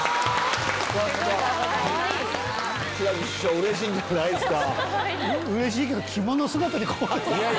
志らく師匠うれしいんじゃないですか？